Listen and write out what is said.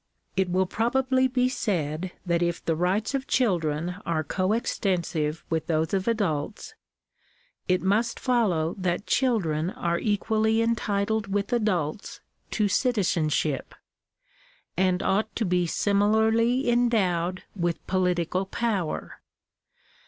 It will probably ^be said that if the rights of children are co extensive with those ' 4>f adults, it must follow that children are equally entitled with i adults to citizenship, and ought to be similarly endowed with politioal power.